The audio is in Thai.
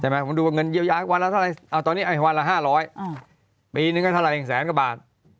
มันดูว่าเงินเยอะวันละ๕๐๐ปีนึงก็เท่าไหร่แห่งแสนกว่าบาท